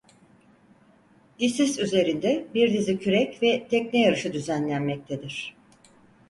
Isis üzerinde bir dizi kürek ve tekne yarışı düzenlenmektedir.